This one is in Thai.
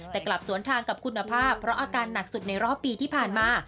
แต่กลับสวนทางกับคุณภาพเพราะอาการหนักสุดในรอบปีที่ผ่านมา